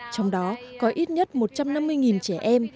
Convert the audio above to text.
trong đó có ít nhất một trăm năm mươi trẻ em